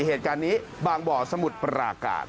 เหตุการณ์นี้บางบ่อสมุทรปราการ